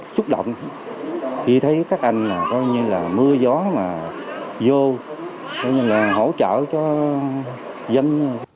xúc động khi thấy các anh là coi như là mưa gió mà vô coi như là hỗ trợ cho dân